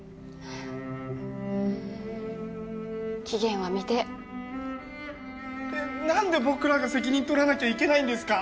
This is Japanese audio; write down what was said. えっなんで僕らが責任取らなきゃいけないんですか？